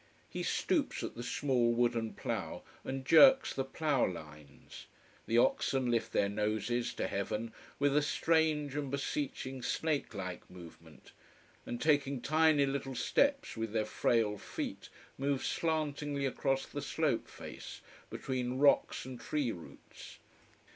He stoops at the small wooden plough, and jerks the ploughlines. The oxen lift their noses to heaven, with a strange and beseeching snake like movement, and taking tiny little steps with their frail feet, move slantingly across the slope face, between rocks and tree roots.